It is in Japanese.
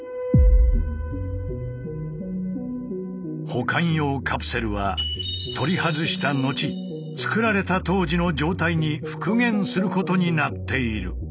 保管用カプセルは取り外した後つくられた当時の状態に復元することになっている。